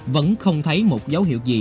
vẫn không thấy một dấu hiệu gì